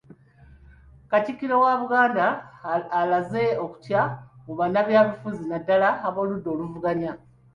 Katikkiro wa Buganda alaze okutya ku bannabyabufuzi naddala ab'oludda oluvuganya